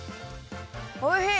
おいしい！